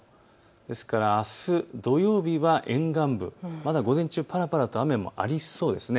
ですからあす土曜日は沿岸部まだ午前中、ぱらぱらと雨もありそうです。